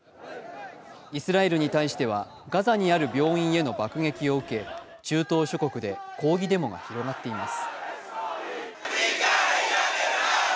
イスラエルに対してはガザにある病院への爆撃を受け中東諸国で抗議デモが広がっています。